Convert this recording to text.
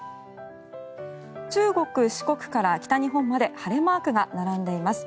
中国、四国から北日本まで晴れマークが並んでいます。